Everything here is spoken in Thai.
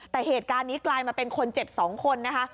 แต่เหตุการณ์นี้กลายมาเป็นคนเจ็บ๒คนนะคะ